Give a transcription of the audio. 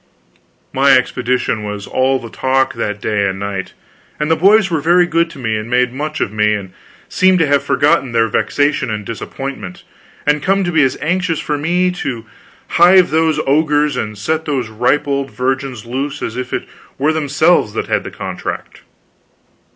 My expedition was all the talk that day and that night, and the boys were very good to me, and made much of me, and seemed to have forgotten their vexation and disappointment, and come to be as anxious for me to hive those ogres and set those ripe old virgins loose as if it were themselves that had the contract.